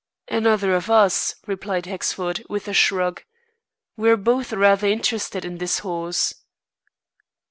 "Another of us," replied Hexford, with a shrug. "We're both rather interested in this horse."